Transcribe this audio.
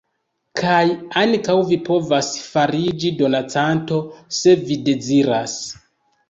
Kaj ankaŭ vi povas fariĝi donancanto se vi deziras.